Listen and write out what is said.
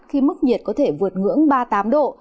khi mức nhiệt có thể vượt ngưỡng ba mươi tám độ